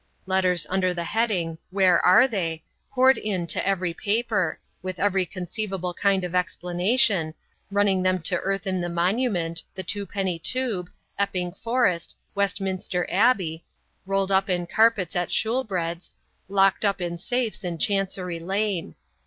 Letters under the heading, "Where are They," poured in to every paper, with every conceivable kind of explanation, running them to earth in the Monument, the Twopenny Tube, Epping Forest, Westminster Abbey, rolled up in carpets at Shoolbreds, locked up in safes in Chancery Lane.